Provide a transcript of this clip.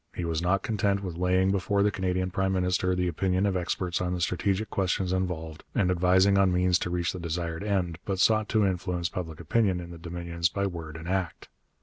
He was not content with laying before the Canadian prime minister the opinion of experts on the strategic questions involved, and advising on means to reach the desired end, but sought to influence public opinion in the Dominions by word and act.